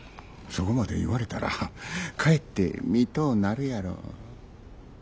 そこまで言われたらかえって見とうなるやろ。